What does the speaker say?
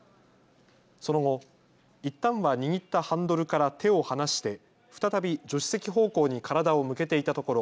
その後、いったんは握ったハンドルから手を離して再び助手席方向に体を向けていたところ